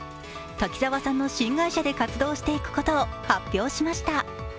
滝沢さんの新会社で活動していくことを発表しました。